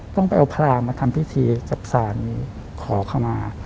ต้องไปเอาพลามาทำพิธีกับศาลขอคำมา